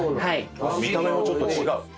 見た目もちょっと違う？